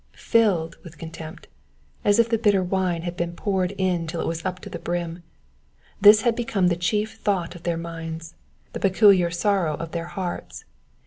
FiUed with contempt, as if the bitter wine had been poured in till it was up to the brim. This had become the chief thought of their minds, the pecu liar sorrow of their hearts.